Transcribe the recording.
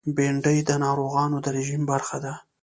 بېنډۍ د ناروغانو د رژیم برخه ده